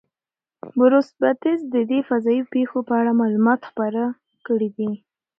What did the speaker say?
بروس بتز د دې فضایي پیښو په اړه معلومات خپاره کړي دي.